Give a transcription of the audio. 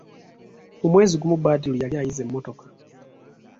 Mu mwezi gumu Badru yali ayize emmotoka.